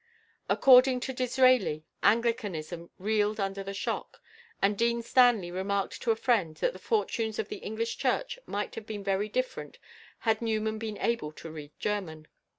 According to Disraeli, Anglicanism "reeled under the shock," and Dean Stanley remarked to a friend that the fortunes of the English Church might have been very different "had Newman been able to read German."